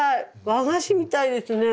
和菓子みたいですね。